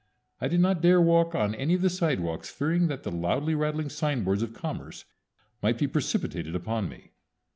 I did not dare walk on any of the sidewalks, fearing that the loudly rattling signboards of commerce might be precipitated upon me.